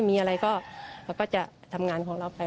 มีอะไรก็เราก็จะทำงานของเราไป